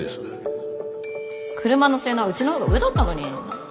車の性能はうちのほうが上だったのに。